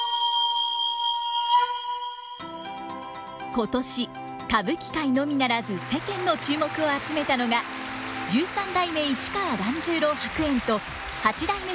今年歌舞伎界のみならず世間の注目を集めたのが十三代目市川團十郎白猿と八代目新之助の襲名です。